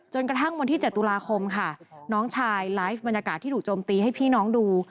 กระทั่งวันที่๗ตุลาคมค่ะน้องชายไลฟ์บรรยากาศที่ถูกโจมตีให้พี่น้องดู